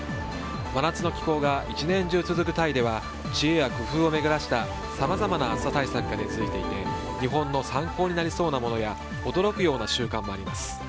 真夏の気候が１年中続くタイでは知恵や工夫を巡らせたさまざまな暑さ対策が根付いていて日本の参考になりそうなものや驚くような習慣もあります。